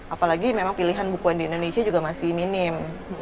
apalagi memang pilihan bukuan di indonesia juga masih minim